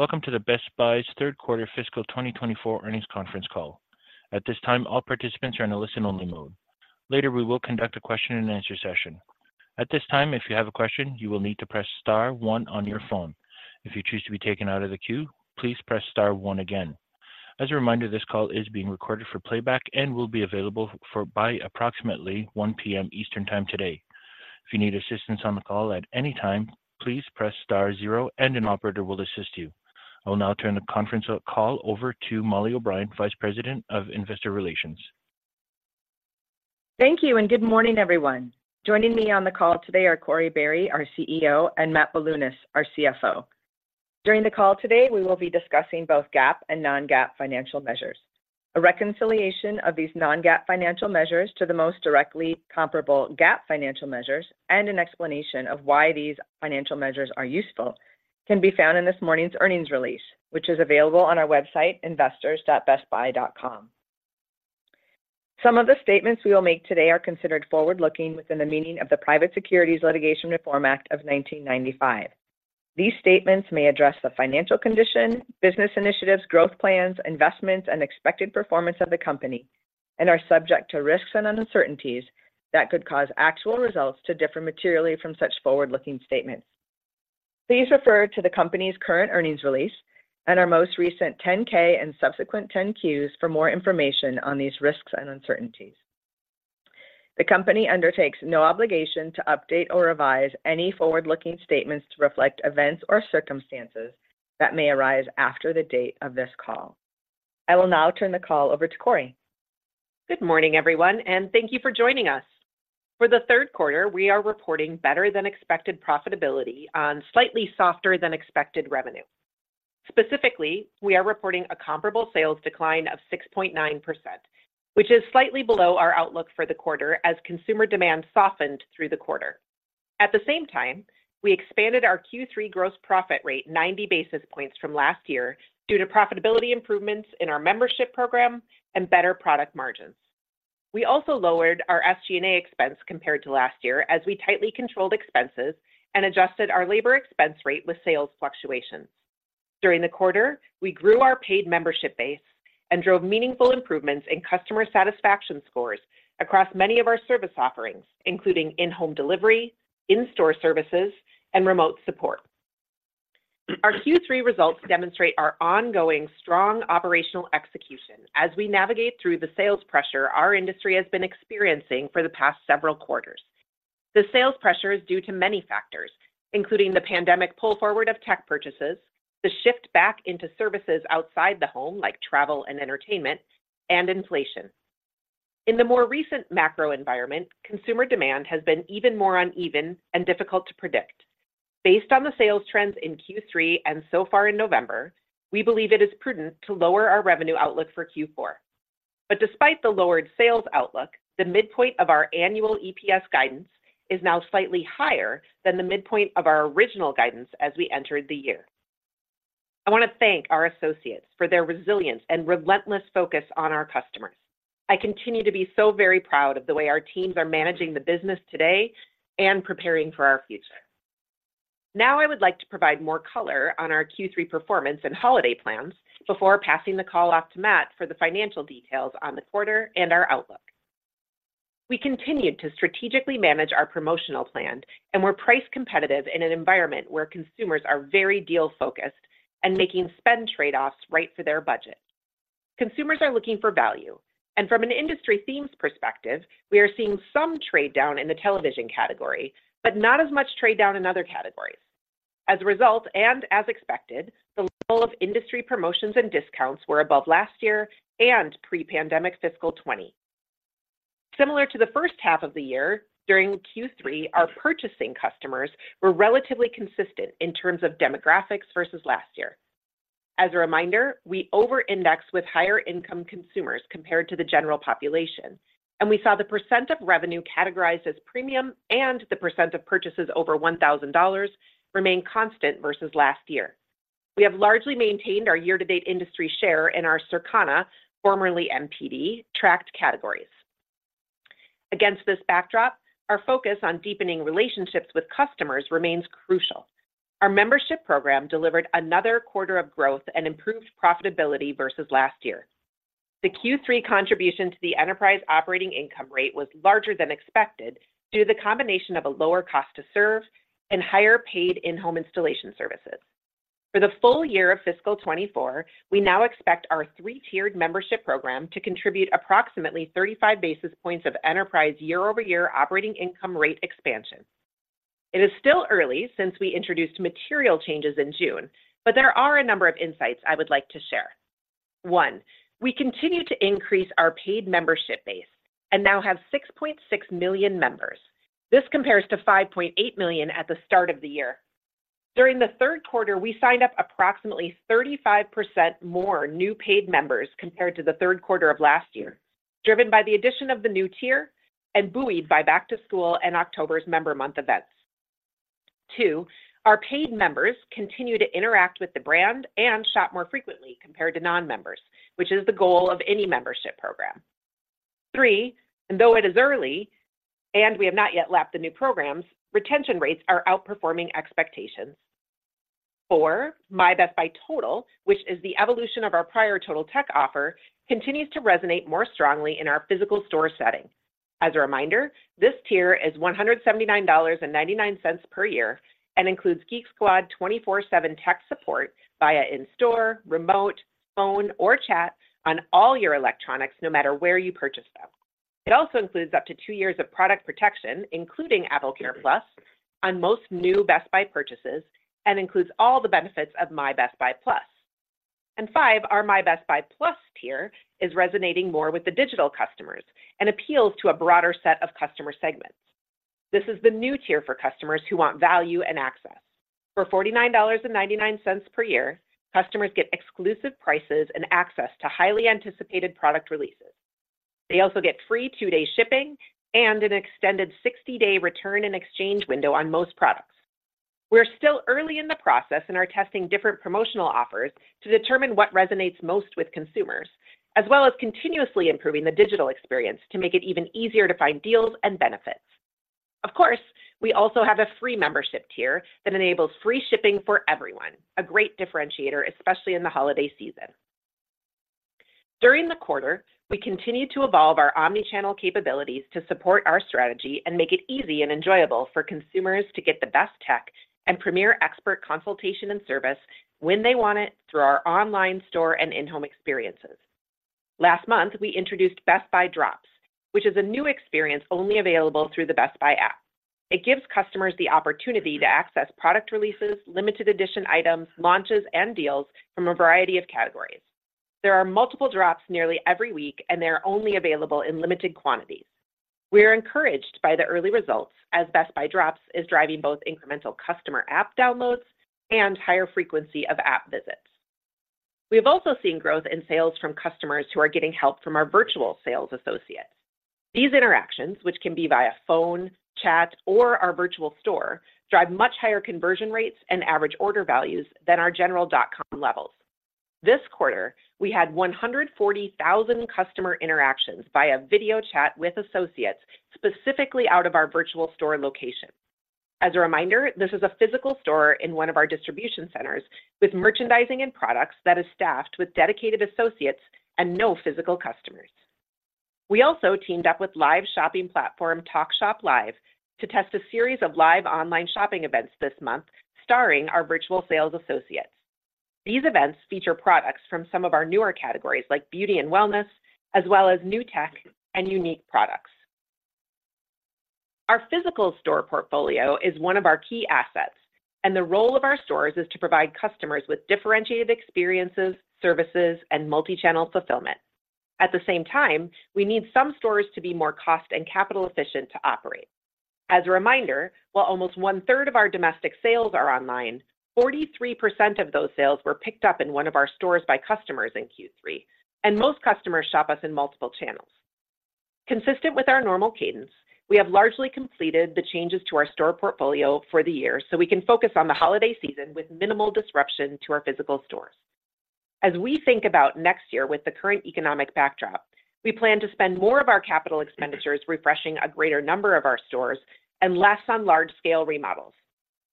Welcome to Best Buy's third quarter fiscal 2024 earnings conference call. At this time, all participants are in a listen-only mode. Later, we will conduct a question and answer session. At this time, if you have a question, you will need to press star one on your phone. If you choose to be taken out of the queue, please press star one again. As a reminder, this call is being recorded for playback and will be available for by approximately 1:00 P.M. Eastern Time today. If you need assistance on the call at any time, please press star zero and an operator will assist you. I will now turn the conference call over to Mollie O'Brien, Vice President of Investor Relations. Thank you, and good morning, everyone. Joining me on the call today are Corie Barry, our CEO, and Matt Bilunas, our CFO. During the call today, we will be discussing both GAAP and non-GAAP financial measures. A reconciliation of these non-GAAP financial measures to the most directly comparable GAAP financial measures and an explanation of why these financial measures are useful can be found in this morning's earnings release, which is available on our website, investors.bestbuy.com. Some of the statements we will make today are considered forward-looking within the meaning of the Private Securities Litigation Reform Act of 1995. These statements may address the financial condition, business initiatives, growth plans, investments, and expected performance of the company and are subject to risks and uncertainties that could cause actual results to differ materially from such forward-looking statements. Please refer to the company's current earnings release and our most recent 10-K and subsequent 10-Qs for more information on these risks and uncertainties. The company undertakes no obligation to update or revise any forward-looking statements to reflect events or circumstances that may arise after the date of this call. I will now turn the call over to Corie. Good morning, everyone, and thank you for joining us. For the third quarter, we are reporting better-than-expected profitability on slightly softer-than-expected revenue. Specifically, we are reporting a comparable sales decline of 6.9%, which is slightly below our outlook for the quarter as consumer demand softened through the quarter. At the same time, we expanded our Q3 gross profit rate 90 basis points from last year due to profitability improvements in our membership program and better product margins. We also lowered our SG&A expense compared to last year as we tightly controlled expenses and adjusted our labor expense rate with sales fluctuations. During the quarter, we grew our paid membership base and drove meaningful improvements in customer satisfaction scores across many of our service offerings, including in-home delivery, in-store services, and remote support. Our Q3 results demonstrate our ongoing strong operational execution as we navigate through the sales pressure our industry has been experiencing for the past several quarters. The sales pressure is due to many factors, including the pandemic pull forward of tech purchases, the shift back into services outside the home, like travel and entertainment, and inflation. In the more recent macro environment, consumer demand has been even more uneven and difficult to predict. Based on the sales trends in Q3 and so far in November, we believe it is prudent to lower our revenue outlook for Q4. But despite the lowered sales outlook, the midpoint of our annual EPS guidance is now slightly higher than the midpoint of our original guidance as we entered the year. I want to thank our associates for their resilience and relentless focus on our customers. I continue to be so very proud of the way our teams are managing the business today and preparing for our future. Now, I would like to provide more color on our Q3 performance and holiday plans before passing the call off to Matt for the financial details on the quarter and our outlook. We continued to strategically manage our promotional plan and were price competitive in an environment where consumers are very deal-focused and making spend trade-offs right for their budget. Consumers are looking for value, and from an industry themes perspective, we are seeing some trade down in the television category, but not as much trade down in other categories. As a result, and as expected, the level of industry promotions and discounts were above last year and pre-pandemic fiscal 2020. Similar to the first half of the year, during Q3, our purchasing customers were relatively consistent in terms of demographics versus last year. As a reminder, we over-index with higher-income consumers compared to the general population, and we saw the percent of revenue categorized as premium and the percent of purchases over $1,000 remain constant versus last year. We have largely maintained our year-to-date industry share in our Circana, formerly NPD, tracked categories. Against this backdrop, our focus on deepening relationships with customers remains crucial. Our membership program delivered another quarter of growth and improved profitability versus last year. The Q3 contribution to the enterprise operating income rate was larger than expected due to the combination of a lower cost to serve and higher paid in-home installation services. For the full year of fiscal 2024, we now expect our three-tiered membership program to contribute approximately 35 basis points of enterprise year-over-year operating income rate expansion. It is still early since we introduced material changes in June, but there are a number of insights I would like to share. One, we continue to increase our paid membership base and now have 6.6 million members. This compares to 5.8 million at the start of the year. During the third quarter, we signed up approximately 35% more new paid members compared to the third quarter of last year, driven by the addition of the new tier and buoyed by back-to-school and October's Member Month events. Two, our paid members continue to interact with the brand and shop more frequently compared to non-members, which is the goal of any membership program. Three, and though it is early and we have not yet lapped the new programs, retention rates are outperforming expectations. Four, My Best Buy Total, which is the evolution of our prior Totaltech offer, continues to resonate more strongly in our physical store setting. As a reminder, this tier is $179.99 per year and includes Geek Squad 24/7 tech support via in-store, remote, phone, or chat on all your electronics, no matter where you purchased them. It also includes up to two years of product protection, including AppleCare+ on most new Best Buy purchases, and includes all the benefits of My Best Buy Plus. And Five, our My Best Buy Plus tier is resonating more with the digital customers and appeals to a broader set of customer segments. This is the new tier for customers who want value and access. For $49.99 per year, customers get exclusive prices and access to highly anticipated product releases. They also get free 2-day shipping and an extended 60-day return and exchange window on most products. We're still early in the process and are testing different promotional offers to determine what resonates most with consumers, as well as continuously improving the digital experience to make it even easier to find deals and benefits. Of course, we also have a free membership tier that enables free shipping for everyone, a great differentiator, especially in the holiday season. During the quarter, we continued to evolve our omni-channel capabilities to support our strategy and make it easy and enjoyable for consumers to get the best tech and premier expert consultation and service when they want it through our online store and in-home experiences. Last month, we introduced Best Buy Drops, which is a new experience only available through the Best Buy app. It gives customers the opportunity to access product releases, limited edition items, launches, and deals from a variety of categories. There are multiple drops nearly every week, and they are only available in limited quantities. We are encouraged by the early results, as Best Buy Drops is driving both incremental customer app downloads and higher frequency of app visits. We've also seen growth in sales from customers who are getting help from our virtual sales associates. These interactions, which can be via phone, chat, or our virtual store, drive much higher conversion rates and average order values than our general dot com levels. This quarter, we had 140,000 customer interactions via video chat with associates, specifically out of our virtual store location. As a reminder, this is a physical store in one of our distribution centers with merchandising and products that is staffed with dedicated associates and no physical customers. We also teamed up with live shopping platform, TalkShopLive, to test a series of live online shopping events this month, starring our virtual sales associates. These events feature products from some of our newer categories like beauty and wellness, as well as new tech and unique products. Our physical store portfolio is one of our key assets, and the role of our stores is to provide customers with differentiated experiences, services, and multi-channel fulfillment. At the same time, we need some stores to be more cost and capital efficient to operate. As a reminder, while almost one-third of our domestic sales are online, 43% of those sales were picked up in one of our stores by customers in Q3, and most customers shop us in multiple channels. Consistent with our normal cadence, we have largely completed the changes to our store portfolio for the year, so we can focus on the holiday season with minimal disruption to our physical stores. As we think about next year with the current economic backdrop, we plan to spend more of our capital expenditures refreshing a greater number of our stores and less on large-scale remodels.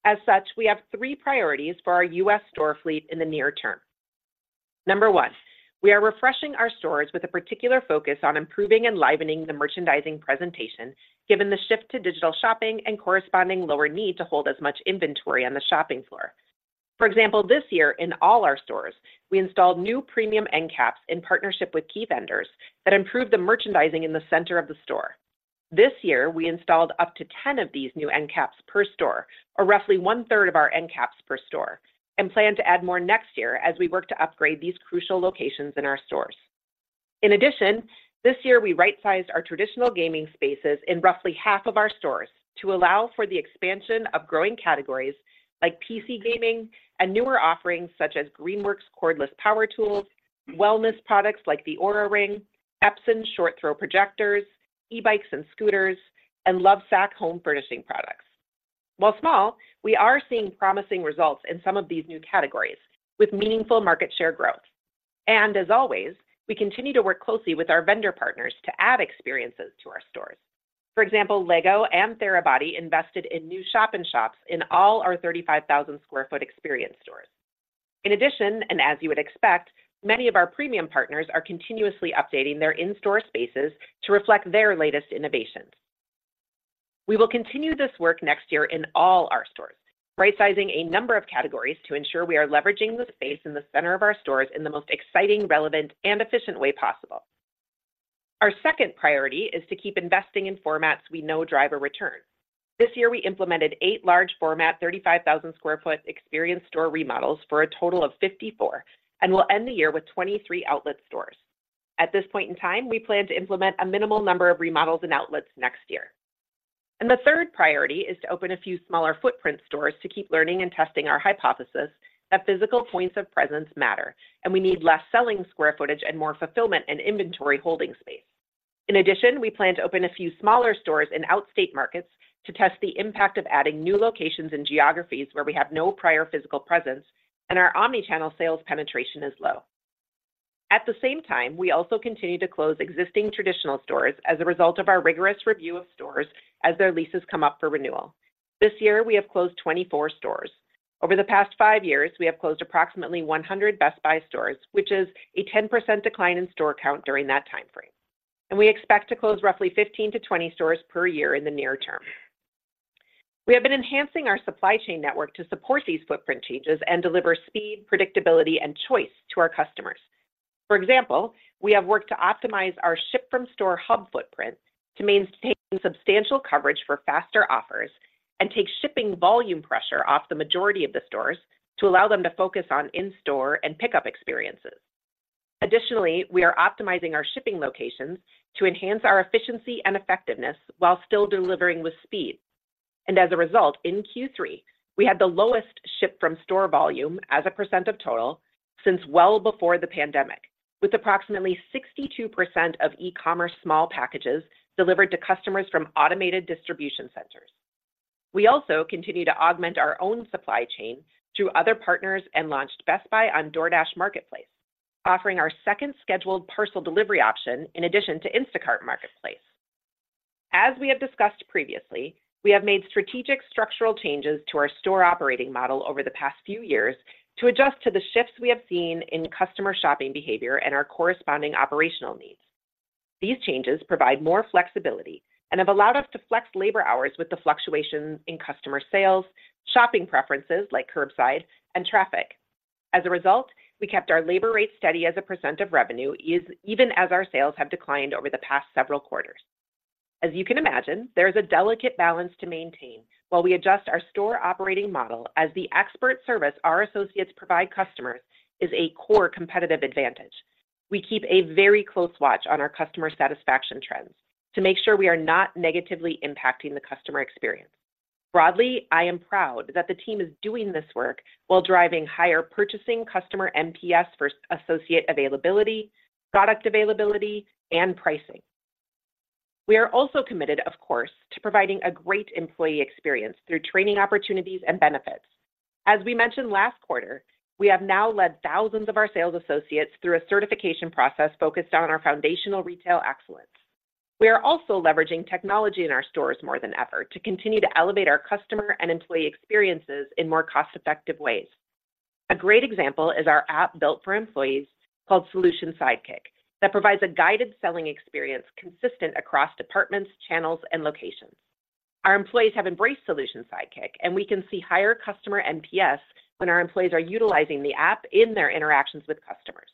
As such, we have three priorities for our U.S. store fleet in the near term. Number one, we are refreshing our stores with a particular focus on improving and livening the merchandising presentation, given the shift to digital shopping and corresponding lower need to hold as much inventory on the shopping floor. For example, this year in all our stores, we installed new premium end caps in partnership with key vendors that improved the merchandising in the center of the store. This year, we installed up to 10 of these new end caps per store, or roughly one-third of our end caps per store, and plan to add more next year as we work to upgrade these crucial locations in our stores. In addition, this year, we right-sized our traditional gaming spaces in roughly half of our stores to allow for the expansion of growing categories like PC gaming and newer offerings such as Greenworks cordless power tools, wellness products like the Oura Ring, Epson short-throw projectors, e-bikes and scooters, and Lovesac home furnishing products. While small, we are seeing promising results in some of these new categories with meaningful market share growth, and as always, we continue to work closely with our vendor partners to add experiences to our stores. For example, Lego and Therabody invested in new shop in shops in all our 35,000 sq ft experience stores. In addition, and as you would expect, many of our premium partners are continuously updating their in-store spaces to reflect their latest innovations. We will continue this work next year in all our stores, rightsizing a number of categories to ensure we are leveraging the space in the center of our stores in the most exciting, relevant, and efficient way possible. Our second priority is to keep investing in formats we know drive a return. This year, we implemented eight large format, 35,000 sq ft experience store remodels for a total of 54, and we'll end the year with 23 outlet stores. At this point in time, we plan to implement a minimal number of remodels and outlets next year. The third priority is to open a few smaller footprint stores to keep learning and testing our hypothesis that physical points of presence matter, and we need less selling square footage and more fulfillment and inventory holding space. In addition, we plan to open a few smaller stores in outstate markets to test the impact of adding new locations and geographies where we have no prior physical presence and our omnichannel sales penetration is low. At the same time, we also continue to close existing traditional stores as a result of our rigorous review of stores as their leases come up for renewal. This year, we have closed 24 stores. Over the past five years, we have closed approximately 100 Best Buy stores, which is a 10% decline in store count during that time frame, and we expect to close roughly 15-20 stores per year in the near term. We have been enhancing our supply chain network to support these footprint changes and deliver speed, predictability, and choice to our customers. For example, we have worked to optimize our ship from store hub footprint to maintain substantial coverage for faster offers and take shipping volume pressure off the majority of the stores to allow them to focus on in-store and pickup experiences. Additionally, we are optimizing our shipping locations to enhance our efficiency and effectiveness while still delivering with speed. As a result, in Q3, we had the lowest ship from store volume as a percent of total since well before the pandemic, with approximately 62% of e-commerce small packages delivered to customers from automated distribution centers. We also continue to augment our own supply chain through other partners and launched Best Buy on DoorDash Marketplace, offering our second scheduled parcel delivery option in addition to Instacart Marketplace. As we have discussed previously, we have made strategic structural changes to our store operating model over the past few years to adjust to the shifts we have seen in customer shopping behavior and our corresponding operational needs. These changes provide more flexibility and have allowed us to flex labor hours with the fluctuations in customer sales, shopping preferences like curbside, and traffic. As a result, we kept our labor rate steady as a percent of revenue, even as our sales have declined over the past several quarters. As you can imagine, there is a delicate balance to maintain while we adjust our store operating model, as the expert service our associates provide customers is a core competitive advantage. We keep a very close watch on our customer satisfaction trends to make sure we are not negatively impacting the customer experience. Broadly, I am proud that the team is doing this work while driving higher purchasing customer NPS for associate availability, product availability, and pricing. We are also committed, of course, to providing a great employee experience through training opportunities and benefits. As we mentioned last quarter, we have now led thousands of our sales associates through a certification process focused on our foundational retail excellence. We are also leveraging technology in our stores more than ever to continue to elevate our customer and employee experiences in more cost-effective ways. A great example is our app built for employees called Solution Sidekick, that provides a guided selling experience consistent across departments, channels, and locations. Our employees have embraced Solution Sidekick, and we can see higher customer NPS when our employees are utilizing the app in their interactions with customers.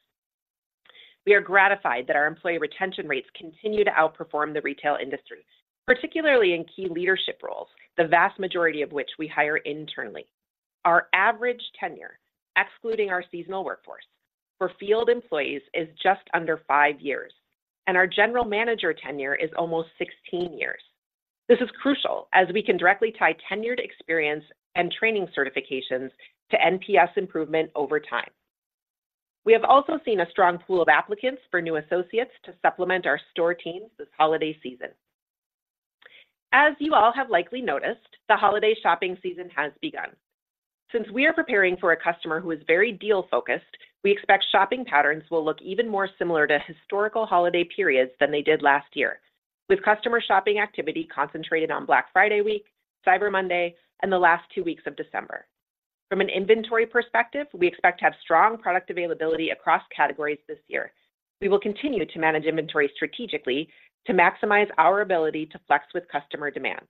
We are gratified that our employee retention rates continue to outperform the retail industry, particularly in key leadership roles, the vast majority of which we hire internally. Our average tenure, excluding our seasonal workforce, for field employees is just under five years, and our general manager tenure is almost 16 years. This is crucial as we can directly tie tenured experience and training certifications to NPS improvement over time. We have also seen a strong pool of applicants for new associates to supplement our store teams this holiday season. As you all have likely noticed, the holiday shopping season has begun. Since we are preparing for a customer who is very deal-focused, we expect shopping patterns will look even more similar to historical holiday periods than they did last year, with customer shopping activity concentrated on Black Friday week, Cyber Monday, and the last two weeks of December. From an inventory perspective, we expect to have strong product availability across categories this year. We will continue to manage inventory strategically to maximize our ability to flex with customer demand.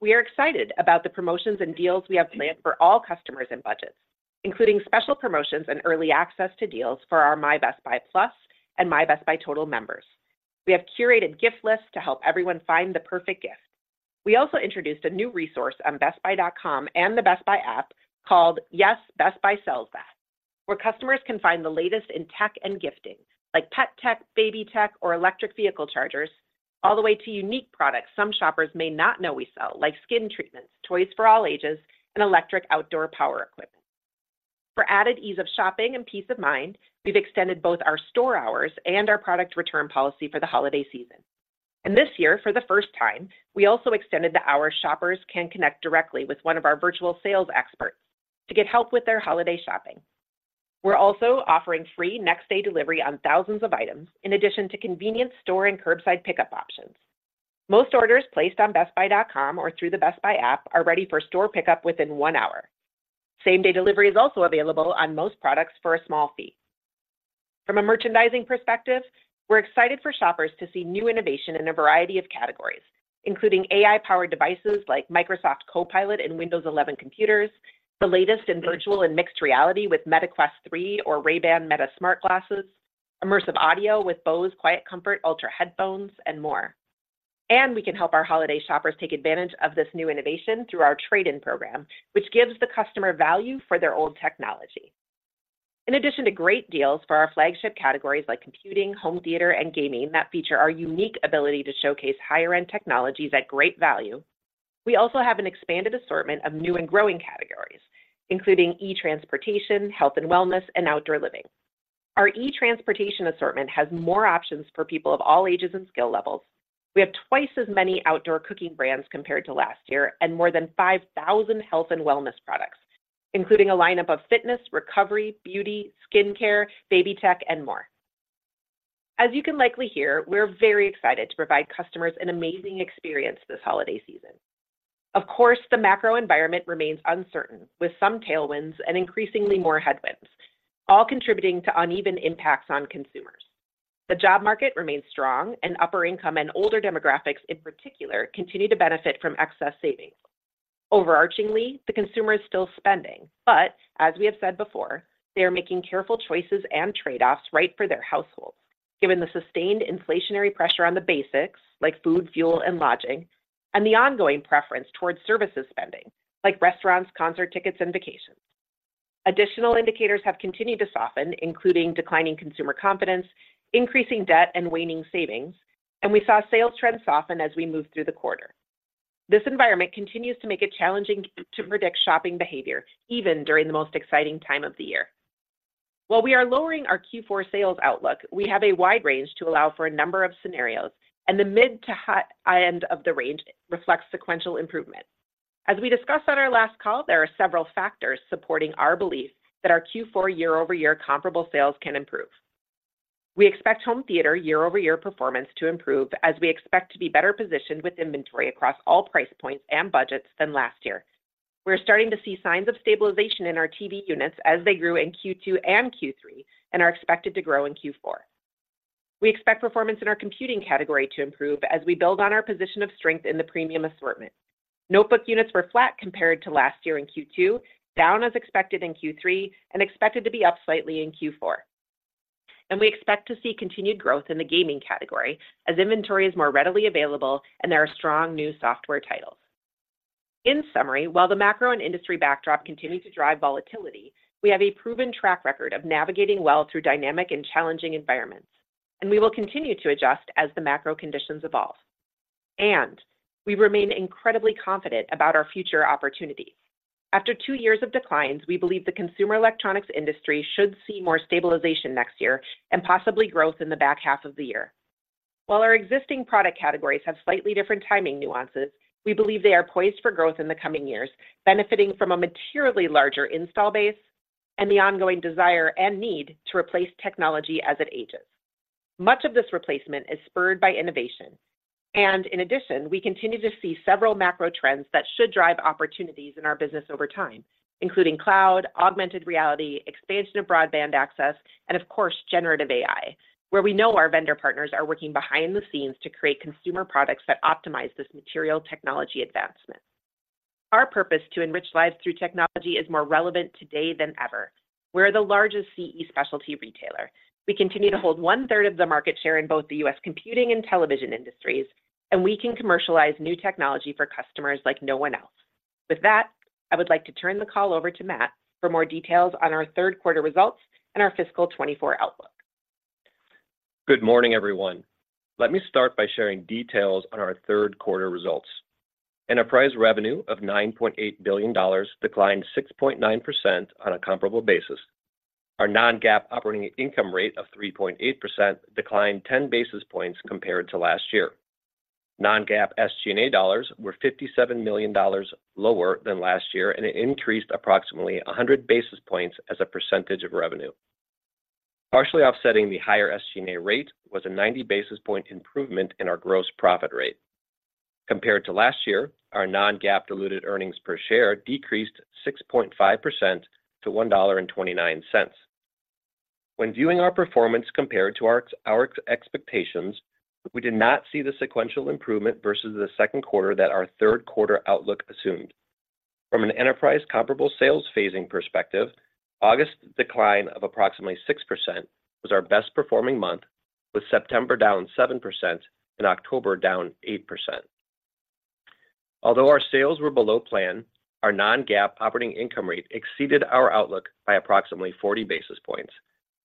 We are excited about the promotions and deals we have planned for all customers and budgets, including special promotions and early access to deals for our My Best Buy Plus and My Best Buy Total members. We have curated gift lists to help everyone find the perfect gift. We also introduced a new resource on bestbuy.com and the Best Buy app called Yes, Best Buy Sells That! Where customers can find the latest in tech and gifting, like pet tech, baby tech, or electric vehicle chargers, all the way to unique products some shoppers may not know we sell, like skin treatments, toys for all ages, and electric outdoor power equipment. For added ease of shopping and peace of mind, we've extended both our store hours and our product return policy for the holiday season. And this year, for the first time, we also extended the hours shoppers can connect directly with one of our virtual sales experts to get help with their holiday shopping. We're also offering free next-day delivery on thousands of items, in addition to convenient store and curbside pickup options. Most orders placed on BestBuy.com or through the Best Buy app are ready for store pickup within one hour. Same-day delivery is also available on most products for a small fee. From a merchandising perspective, we're excited for shoppers to see new innovation in a variety of categories, including AI-powered devices like Microsoft Copilot and Windows 11 computers, the latest in virtual and mixed reality with Meta Quest 3 or Ray-Ban Meta smart glasses, immersive audio with Bose QuietComfort Ultra headphones, and more. We can help our holiday shoppers take advantage of this new innovation through our trade-in program, which gives the customer value for their old technology. In addition to great deals for our flagship categories like computing, home theater, and gaming that feature our unique ability to showcase higher-end technologies at great value, we also have an expanded assortment of new and growing categories, including e-transportation, health and wellness, and outdoor living. Our e-transportation assortment has more options for people of all ages and skill levels. We have twice as many outdoor cooking brands compared to last year, and more than 5,000 health and wellness products, including a lineup of fitness, recovery, beauty, skincare, baby tech, and more. As you can likely hear, we're very excited to provide customers an amazing experience this holiday season. Of course, the macro environment remains uncertain, with some tailwinds and increasingly more headwinds, all contributing to uneven impacts on consumers. The job market remains strong, and upper income and older demographics, in particular, continue to benefit from excess savings. Overarchingly, the consumer is still spending, but as we have said before, they are making careful choices and trade-offs right for their households, given the sustained inflationary pressure on the basics like food, fuel, and lodging, and the ongoing preference towards services spending, like restaurants, concert tickets, and vacations. Additional indicators have continued to soften, including declining consumer confidence, increasing debt, and waning savings, and we saw sales trends soften as we moved through the quarter. This environment continues to make it challenging to predict shopping behavior, even during the most exciting time of the year. While we are lowering our Q4 sales outlook, we have a wide range to allow for a number of scenarios, and the mid to high end of the range reflects sequential improvement. As we discussed on our last call, there are several factors supporting our belief that our Q4 year-over-year comparable sales can improve. We expect home theater year-over-year performance to improve, as we expect to be better positioned with inventory across all price points and budgets than last year. We're starting to see signs of stabilization in our TV units as they grew in Q2 and Q3 and are expected to grow in Q4. We expect performance in our computing category to improve as we build on our position of strength in the premium assortment. Notebook units were flat compared to last year in Q2, down as expected in Q3, and expected to be up slightly in Q4. We expect to see continued growth in the gaming category as inventory is more readily available and there are strong new software titles. In summary, while the macro and industry backdrop continue to drive volatility, we have a proven track record of navigating well through dynamic and challenging environments, and we will continue to adjust as the macro conditions evolve. We remain incredibly confident about our future opportunities. After two years of declines, we believe the consumer electronics industry should see more stabilization next year and possibly growth in the back half of the year. While our existing product categories have slightly different timing nuances, we believe they are poised for growth in the coming years, benefiting from a materially larger install base and the ongoing desire and need to replace technology as it ages. Much of this replacement is spurred by innovation, and in addition, we continue to see several macro trends that should drive opportunities in our business over time, including cloud, augmented reality, expansion of broadband access, and of course, generative AI, where we know our vendor partners are working behind the scenes to create consumer products that optimize this material technology advancement. Our purpose to enrich lives through technology is more relevant today than ever. We're the largest CE specialty retailer. We continue to hold 1/3 of the market share in both the U.S. computing and television industries, and we can commercialize new technology for customers like no one else. With that, I would like to turn the call over to Matt for more details on our third quarter results and our fiscal 2024 outlook. Good morning, everyone. Let me start by sharing details on our third quarter results. Enterprise revenue of $9.8 billion declined 6.9% on a comparable basis. Our non-GAAP operating income rate of 3.8% declined 10 basis points compared to last year. Non-GAAP SG&A dollars were $57 million lower than last year, and it increased approximately 100 basis points as a percentage of revenue. Partially offsetting the higher SG&A rate was a 90 basis point improvement in our gross profit rate. Compared to last year, our non-GAAP diluted earnings per share decreased 6.5% to $1.29. When viewing our performance compared to our expectations, we did not see the sequential improvement versus the second quarter that our third quarter outlook assumed. From an enterprise comparable sales phasing perspective, August decline of approximately 6% was our best performing month, with September down 7% and October down 8%. Although our sales were below plan, our non-GAAP operating income rate exceeded our outlook by approximately 40 basis points,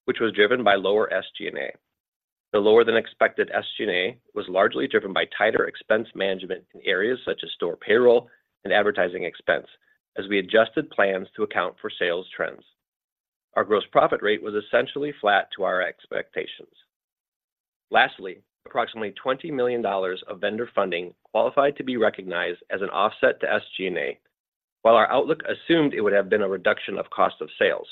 which was driven by lower SG&A. The lower than expected SG&A was largely driven by tighter expense management in areas such as store payroll and advertising expense, as we adjusted plans to account for sales trends. Our gross profit rate was essentially flat to our expectations. Lastly, approximately $20 million of vendor funding qualified to be recognized as an offset to SG&A, while our outlook assumed it would have been a reduction of cost of sales.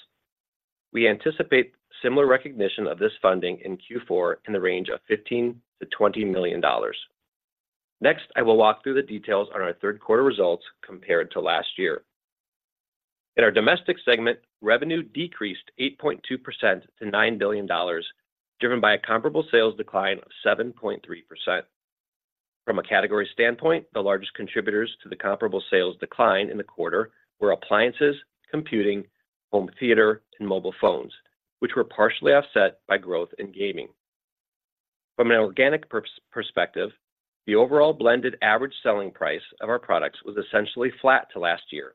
We anticipate similar recognition of this funding in Q4 in the range of $15 million-$20 million. Next, I will walk through the details on our third quarter results compared to last year. In our domestic segment, revenue decreased 8.2% to $9 billion, driven by a comparable sales decline of 7.3%. From a category standpoint, the largest contributors to the comparable sales decline in the quarter were appliances, computing, home theater, and mobile phones, which were partially offset by growth in gaming. From an organic perspective, the overall blended average selling price of our products was essentially flat to last year,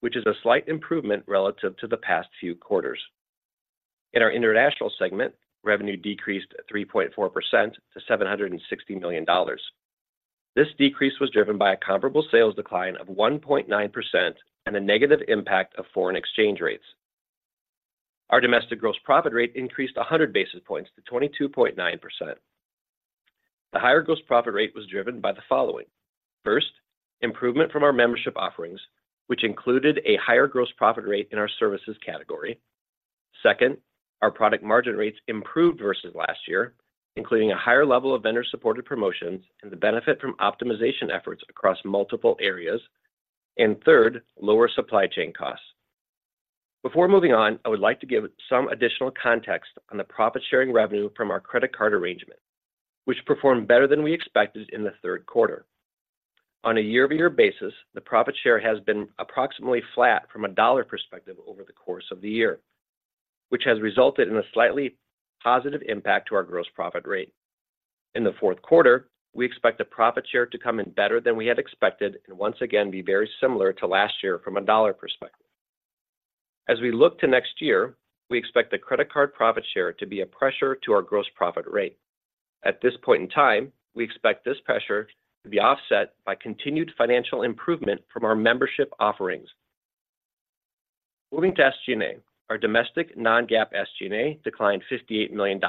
which is a slight improvement relative to the past few quarters. In our international segment, revenue decreased 3.4% to $760 million. This decrease was driven by a comparable sales decline of 1.9% and a negative impact of foreign exchange rates. Our domestic gross profit rate increased 100 basis points to 22.9%. The higher gross profit rate was driven by the following. First, improvement from our membership offerings, which included a higher gross profit rate in our services category. Second, our product margin rates improved versus last year, including a higher level of vendor-supported promotions and the benefit from optimization efforts across multiple areas. And third, lower supply chain costs. Before moving on, I would like to give some additional context on the profit-sharing revenue from our credit card arrangement, which performed better than we expected in the third quarter. On a year-over-year basis, the profit share has been approximately flat from a dollar perspective over the course of the year, which has resulted in a slightly positive impact to our gross profit rate. In the fourth quarter, we expect the profit share to come in better than we had expected and once again, be very similar to last year from a dollar perspective. As we look to next year, we expect the credit card profit share to be a pressure to our gross profit rate. At this point in time, we expect this pressure to be offset by continued financial improvement from our membership offerings. Moving to SG&A. Our domestic non-GAAP SG&A declined $58 million,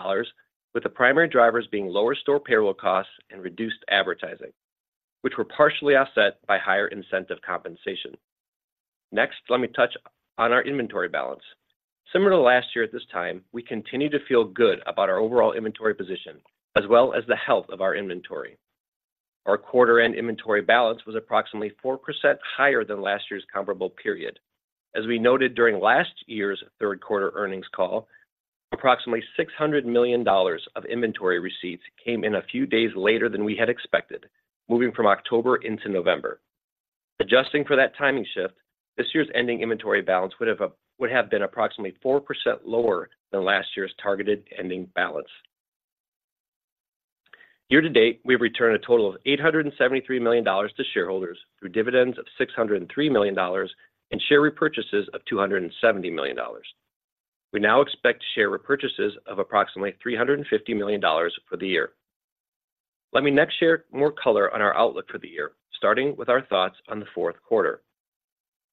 with the primary drivers being lower store payroll costs and reduced advertising, which were partially offset by higher incentive compensation. Next, let me touch on our inventory balance. Similar to last year at this time, we continue to feel good about our overall inventory position, as well as the health of our inventory. Our quarter-end inventory balance was approximately 4% higher than last year's comparable period. As we noted during last year's third quarter earnings call, approximately $600 million of inventory receipts came in a few days later than we had expected, moving from October into November. Adjusting for that timing shift, this year's ending inventory balance would have been approximately 4% lower than last year's targeted ending balance. Year to date, we've returned a total of $873 million to shareholders through dividends of $603 million and share repurchases of $270 million. We now expect share repurchases of approximately $350 million for the year. Let me next share more color on our outlook for the year, starting with our thoughts on the fourth quarter.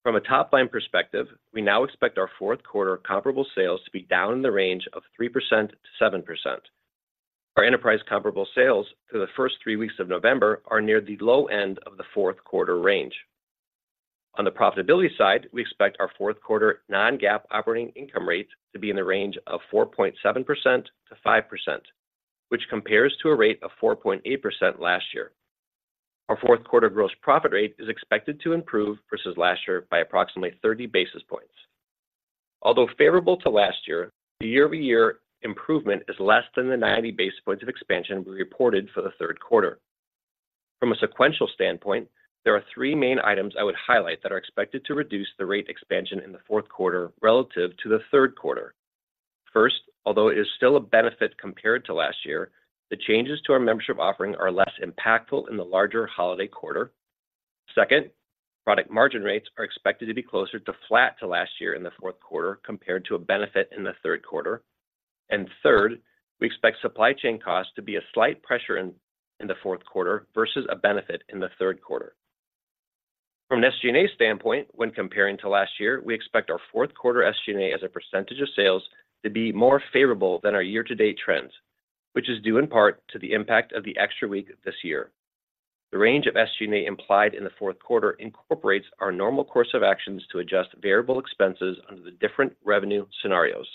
From a top-line perspective, we now expect our fourth quarter comparable sales to be down in the range of 3%-7%. Our enterprise comparable sales through the first three weeks of November are near the low end of the fourth quarter range. On the profitability side, we expect our fourth quarter non-GAAP operating income rate to be in the range of 4.7%-5%, which compares to a rate of 4.8% last year. Our fourth quarter gross profit rate is expected to improve versus last year by approximately 30 basis points. Although favorable to last year, the year-over-year improvement is less than the 90 basis points of expansion we reported for the third quarter. From a sequential standpoint, there are three main items I would highlight that are expected to reduce the rate expansion in the fourth quarter relative to the third quarter. First, although it is still a benefit compared to last year, the changes to our membership offering are less impactful in the larger holiday quarter. Second, product margin rates are expected to be closer to flat to last year in the fourth quarter, compared to a benefit in the third quarter. And third, we expect supply chain costs to be a slight pressure in the fourth quarter versus a benefit in the third quarter. From an SG&A standpoint, when comparing to last year, we expect our fourth quarter SG&A as a percentage of sales to be more favorable than our year-to-date trends, which is due in part to the impact of the extra week this year. The range of SG&A implied in the fourth quarter incorporates our normal course of actions to adjust variable expenses under the different revenue scenarios,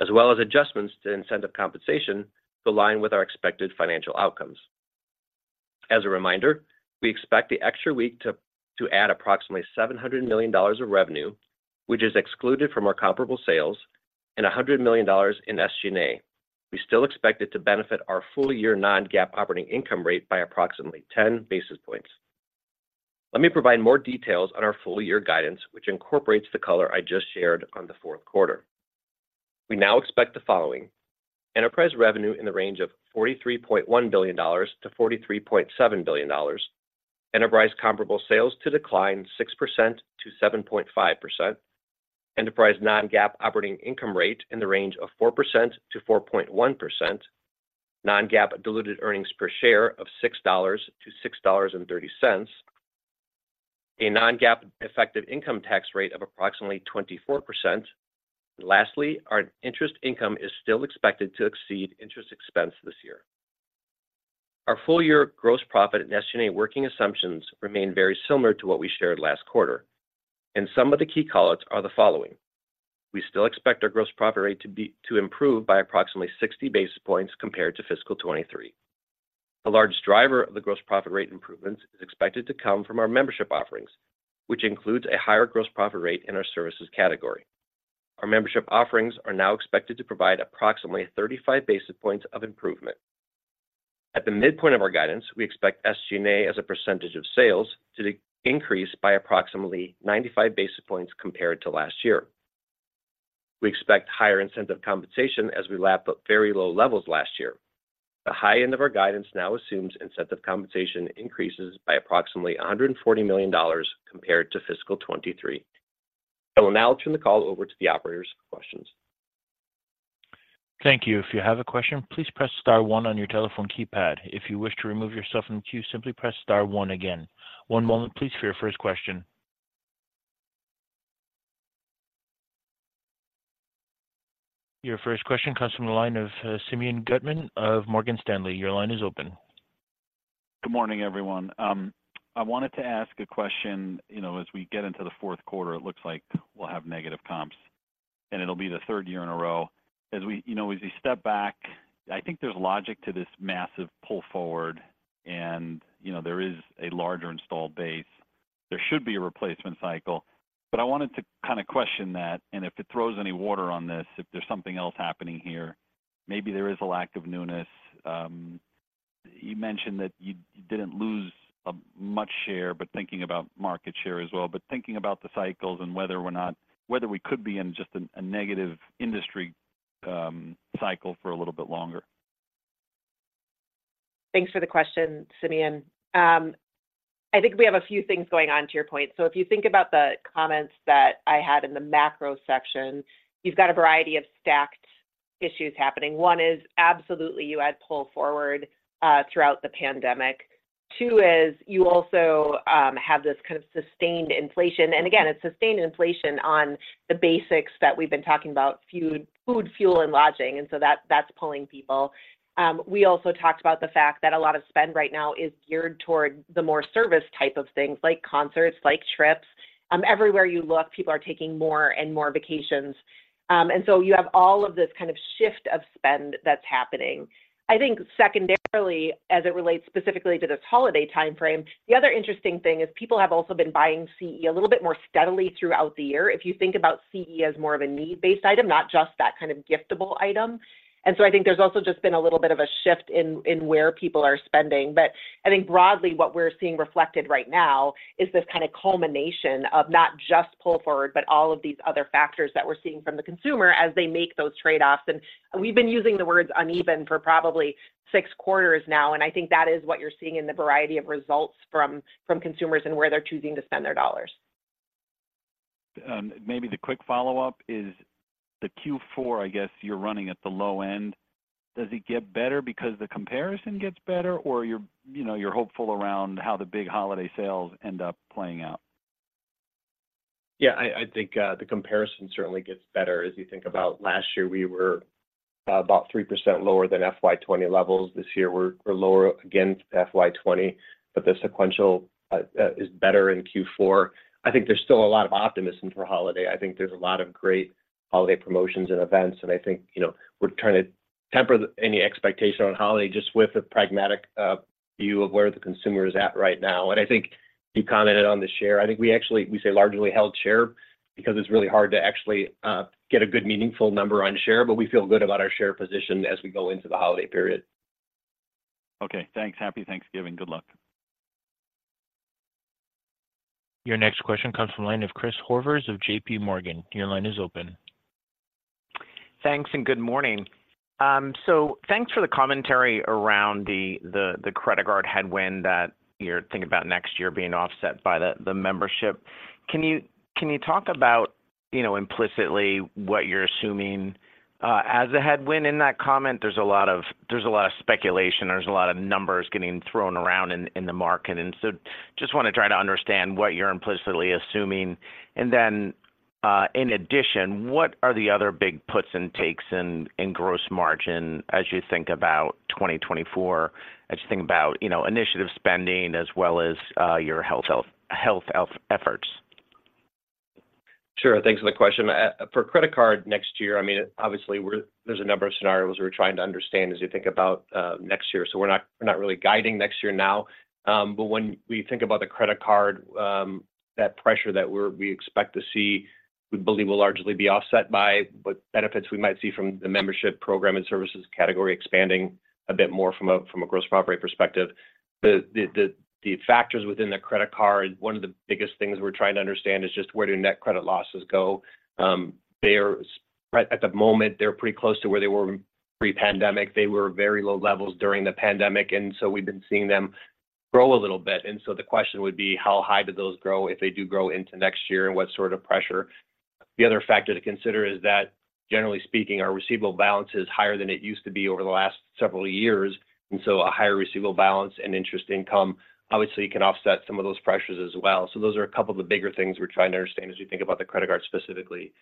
as well as adjustments to incentive compensation to align with our expected financial outcomes. As a reminder, we expect the extra week to add approximately $700 million of revenue, which is excluded from our comparable sales and $100 million in SG&A. We still expect it to benefit our full year non-GAAP operating income rate by approximately 10 basis points. Let me provide more details on our full year guidance, which incorporates the color I just shared on the fourth quarter. We now expect the following: Enterprise revenue in the range of $43.1 billion-$43.7 billion. Enterprise comparable sales to decline 6%-7.5%. Enterprise non-GAAP operating income rate in the range of 4%-4.1%. Non-GAAP diluted earnings per share of $6-$6.30. A non-GAAP effective income tax rate of approximately 24%. Lastly, our interest income is still expected to exceed interest expense this year. Our full-year gross profit and SG&A working assumptions remain very similar to what we shared last quarter, and some of the key call-outs are the following. We still expect our gross profit rate to improve by approximately 60 basis points compared to fiscal 2023. The largest driver of the gross profit rate improvement is expected to come from our membership offerings, which includes a higher gross profit rate in our services category. Our membership offerings are now expected to provide approximately 35 basis points of improvement. At the midpoint of our guidance, we expect SG&A as a percentage of sales to increase by approximately 95 basis points compared to last year. We expect higher incentive compensation as we lap up very low levels last year. The high end of our guidance now assumes incentive compensation increases by approximately $140 million compared to fiscal 2023. I will now turn the call over to the operators for questions. Thank you. If you have a question, please press star one on your telephone keypad. If you wish to remove yourself from the queue, simply press star one again. One moment please, for your first question. Your first question comes from the line of Simeon Gutman of Morgan Stanley. Your line is open. Good morning, everyone. I wanted to ask a question. You know, as we get into the fourth quarter, it looks like we'll have negative comps, and it'll be the third year in a row. As we step back, you know, I think there's logic to this massive pull forward, and, you know, there is a larger installed base. There should be a replacement cycle. But I wanted to kind of question that, and if it throws any water on this, if there's something else happening here, maybe there is a lack of newness. You mentioned that you didn't lose much share, but thinking about market share as well, but thinking about the cycles and whether or not whether we could be in just a negative industry cycle for a little bit longer. Thanks for the question, Simeon. I think we have a few things going on, to your point. So if you think about the comments that I had in the macro section, you've got a variety of stacked issues happening. One is absolutely, you had pull forward throughout the pandemic. Two is you also have this kind of sustained inflation. And again, it's sustained inflation on the basics that we've been talking about, food, fuel, and lodging, and so that, that's pulling people. We also talked about the fact that a lot of spend right now is geared toward the more service type of things, like concerts, like trips. Everywhere you look, people are taking more and more vacations. And so you have all of this kind of shift of spend that's happening. I think secondarily, as it relates specifically to this holiday time frame, the other interesting thing is people have also been buying CE a little bit more steadily throughout the year. If you think about CE as more of a need-based item, not just that kind of giftable item. And so I think there's also just been a little bit of a shift in where people are spending. But I think broadly, what we're seeing reflected right now is this kind of culmination of not just pull forward, but all of these other factors that we're seeing from the consumer as they make those trade-offs. And we've been using the words uneven for probably six quarters now, and I think that is what you're seeing in the variety of results from consumers and where they're choosing to spend their dollars. Maybe the quick follow-up is the Q4, I guess, you're running at the low end. Does it get better because the comparison gets better, or you're, you know, you're hopeful around how the big holiday sales end up playing out? Yeah, I think the comparison certainly gets better. As you think about last year, we were about 3% lower than FY 2020 levels. This year, we're lower against FY 2020, but the sequential is better in Q4. I think there's still a lot of optimism for holiday. I think there's a lot of great holiday promotions and events, and I think, you know, we're trying to temper any expectation on holiday just with a pragmatic view of where the consumer is at right now. And I think you commented on the share. I think we actually say largely held share because it's really hard to actually get a good, meaningful number on share, but we feel good about our share position as we go into the holiday period. Okay, thanks. Happy Thanksgiving. Good luck. Your next question comes from the line of Chris Horvers of J.P. Morgan. Your line is open. Thanks, and good morning. So thanks for the commentary around the credit card headwind that you're thinking about next year being offset by the membership. Can you talk about, you know, implicitly what you're assuming as a headwind in that comment? There's a lot of speculation, there's a lot of numbers getting thrown around in the market, and so just want to try to understand what you're implicitly assuming. And then, in addition, what are the other big puts and takes in gross margin as you think about 2024, as you think about, you know, initiative spending as well as your health efforts? Sure. Thanks for the question. For credit card next year, I mean, obviously, we're, there's a number of scenarios we're trying to understand as you think about next year. So we're not, we're not really guiding next year now, but when we think about the credit card, that pressure that we're, we expect to see, we believe, will largely be offset by what benefits we might see from the membership program and services category expanding a bit more from a, from a gross profit perspective. The factors within the credit card, one of the biggest things we're trying to understand is just where do net credit losses go. They are, at the moment, they're pretty close to where they were pre-pandemic. They were very low levels during the pandemic, and so we've been seeing them grow a little bit. And so the question would be, how high do those grow if they do grow into next year, and what sort of pressure? The other factor to consider is that, generally speaking, our receivable balance is higher than it used to be over the last several years, and so a higher receivable balance and interest income obviously can offset some of those pressures as well. So those are a couple of the bigger things we're trying to understand as we think about the credit card specifically.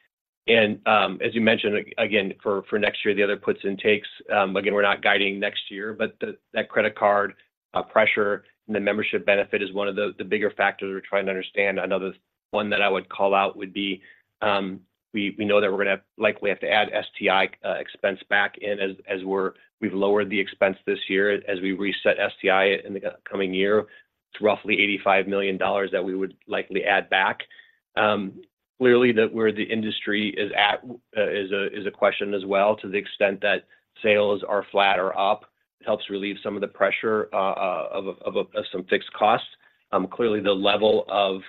And, as you mentioned, again, for next year, the other puts and takes, again, we're not guiding next year, but that credit card pressure and the membership benefit is one of the bigger factors we're trying to understand. Another one that I would call out would be, we know that we're gonna likely have to add STI expense back in as we're. We've lowered the expense this year. As we reset STI in the coming year, it's roughly $85 million that we would likely add back. Clearly, that's where the industry is at is a question as well. To the extent that sales are flat or up, helps relieve some of the pressure of some fixed costs. Clearly, the level of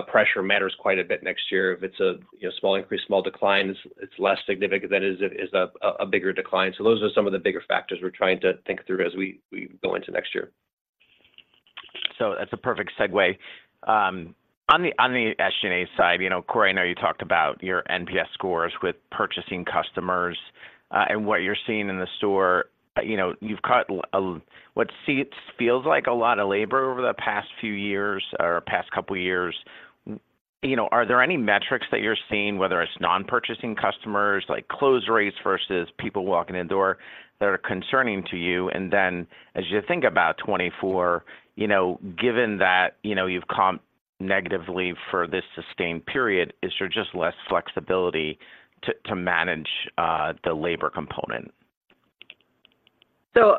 pressure matters quite a bit next year. If it's a, you know, small increase, small declines, it's less significant than it is a bigger decline. So those are some of the bigger factors we're trying to think through as we go into next year. So that's a perfect segue. On the, on the SG&A side, you know, Corie, I know you talked about your NPS scores with purchasing customers, and what you're seeing in the store. But, you know, you've cut what seems like a lot of labor over the past few years or past couple of years. You know, are there any metrics that you're seeing, whether it's non-purchasing customers, like close rates versus people walking in the door, that are concerning to you? And then, as you think about 2024, you know, given that, you know, you've comped negatively for this sustained period, is there just less flexibility to, to manage, the labor component? So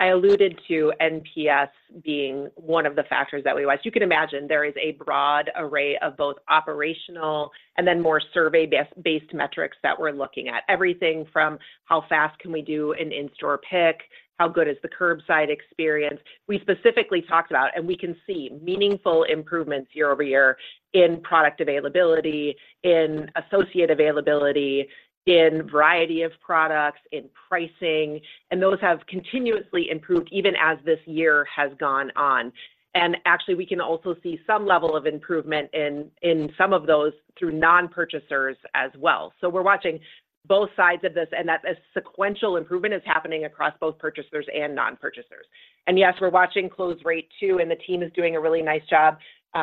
I alluded to NPS being one of the factors that we watch. You can imagine there is a broad array of both operational and then more survey-based metrics that we're looking at. Everything from how fast can we do an in-store pick, how good is the curbside experience. We specifically talked about, and we can see meaningful improvements year over year in product availability, in associate availability, in variety of products, in pricing, and those have continuously improved even as this year has gone on. And actually, we can also see some level of improvement in some of those through non-purchasers as well. So we're watching both sides of this, and that a sequential improvement is happening across both purchasers and non-purchasers. And yes, we're watching close rate, too, and the team is doing a really nice job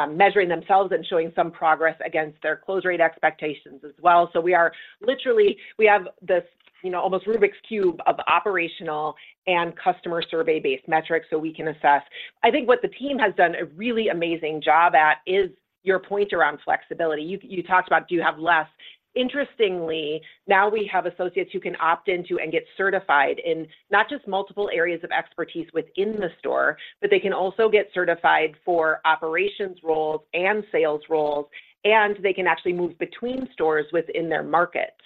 measuring themselves and showing some progress against their close rate expectations as well. So we are literally, we have this, you know, almost Rubik's cube of operational and customer survey-based metrics, so we can assess. I think what the team has done a really amazing job at is your point around flexibility. You talked about, do you have less? Interestingly, now we have associates who can opt into and get certified in not just multiple areas of expertise within the store, but they can also get certified for operations roles and sales roles, and they can actually move between stores within their markets.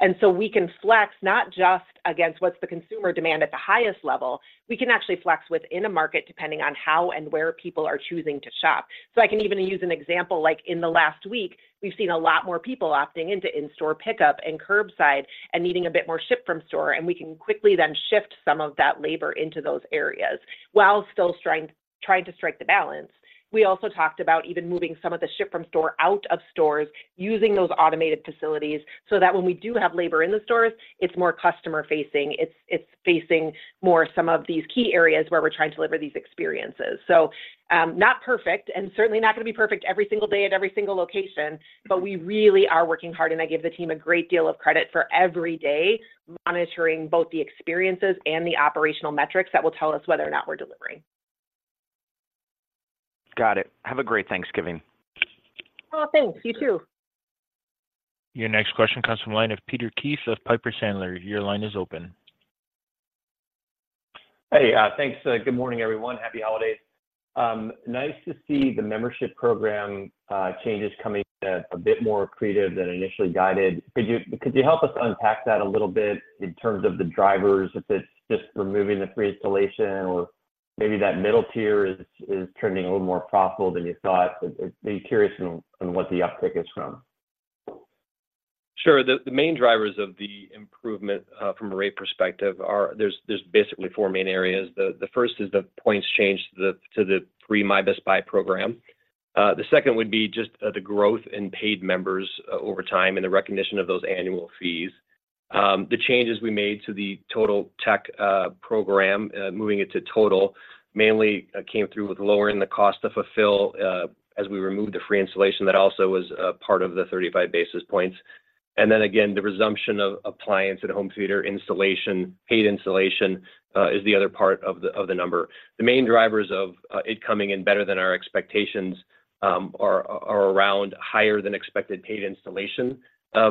And so we can flex not just against what's the consumer demand at the highest level, we can actually flex within a market depending on how and where people are choosing to shop. So I can even use an example, like in the last week, we've seen a lot more people opting into in-store pickup and curbside, and needing a bit more ship from store, and we can quickly then shift some of that labor into those areas, while still trying, trying to strike the balance. We also talked about even moving some of the ship from store out of stores, using those automated facilities, so that when we do have labor in the stores, it's more customer-facing, it's, it's facing more some of these key areas where we're trying to deliver these experiences. So, not perfect, and certainly not going to be perfect every single day at every single location, but we really are working hard, and I give the team a great deal of credit for every day monitoring both the experiences and the operational metrics that will tell us whether or not we're delivering. Got it. Have a great Thanksgiving. Oh, thanks. You, too. Your next question comes from line of Peter Keith of Piper Sandler. Your line is open. Hey, thanks. Good morning, everyone. Happy holidays. Nice to see the membership program changes coming in a bit more accretive than initially guided. Could you help us unpack that a little bit in terms of the drivers, if it's just removing the free installation, or maybe that middle tier is turning a little more profitable than you thought? But I'd be curious on what the uptick is from. Sure. The main drivers of the improvement from a rate perspective are. There's basically 4 main areas. The first is the points change to the free My Best Buy program. The second would be just the growth in paid members over time and the recognition of those annual fees. The changes we made to the Totaltech program moving it to Total mainly came through with lowering the cost to fulfill as we removed the free installation. That also was a part of the 35 basis points. And then again, the resumption of appliance and home theater installation, paid installation, is the other part of the number. The main drivers of it coming in better than our expectations are around higher than expected paid installation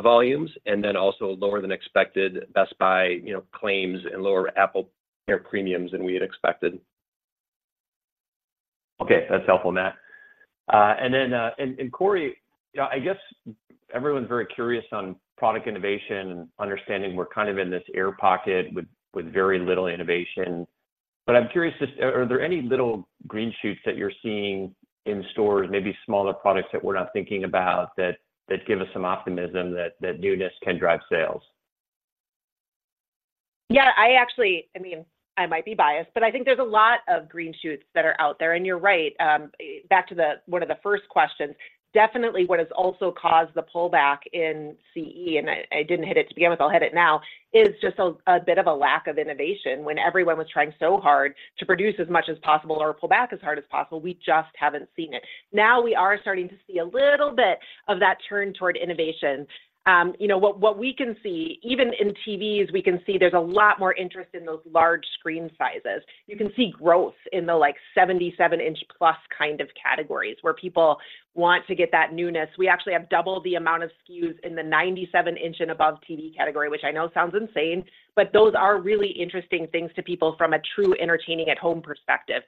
volumes, and then also lower than expected Best Buy, you know, claims and lower AppleCare premiums than we had expected. Okay, that's helpful, Matt. And then, and Corie, yeah, I guess everyone's very curious on product innovation and understanding we're kind of in this air pocket with very little innovation. But I'm curious, are there any little green shoots that you're seeing in stores, maybe smaller products that we're not thinking about, that give us some optimism that newness can drive sales? Yeah, I actually—I mean, I might be biased, but I think there's a lot of green shoots that are out there. And you're right, back to the, one of the first questions, definitely what has also caused the pullback in CE, and I, I didn't hit it to begin with, I'll hit it now, is just a, a bit of a lack of innovation. When everyone was trying so hard to produce as much as possible or pull back as hard as possible, we just haven't seen it. Now we are starting to see a little bit of that turn toward innovation. You know, what, what we can see, even in TVs, we can see there's a lot more interest in those large screen sizes. You can see growth in the, like, 77-inch plus kind of categories, where people want to get that newness. We actually have double the amount of SKUs in the 97-inch and above TV category, which I know sounds insane, but those are really interesting things to people from a true entertaining at home perspective.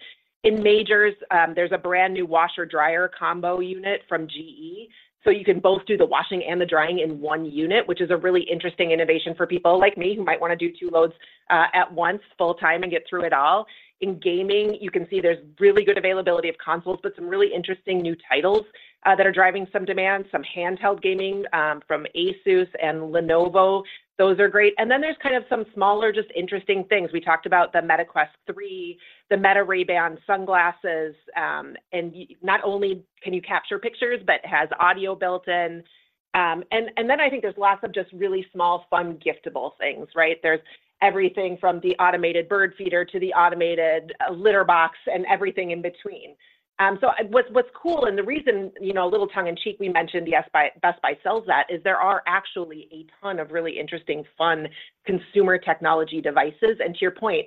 In majors, there's a brand new washer-dryer combo unit from GE, so you can both do the washing and the drying in one unit, which is a really interesting innovation for people like me, who might want to do two loads, at once, full time, and get through it all. In gaming, you can see there's really good availability of consoles, but some really interesting new titles, that are driving some demand, some handheld gaming, from Asus and Lenovo. Those are great. And then there's kind of some smaller, just interesting things. We talked about the Meta Quest 3, the Meta Ray-Ban sunglasses, and not only can you capture pictures, but has audio built in. And then I think there's lots of just really small, fun, giftable things, right? There's everything from the automated bird feeder to the automated litter box and everything in between. So, and what's cool, and the reason, you know, a little tongue in cheek, we mentioned the Best Buy sells that, is there are actually a ton of really interesting, fun consumer technology devices. And to your point,